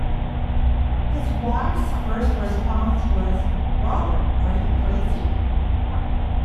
His wife's first response was, Robert, are you crazy?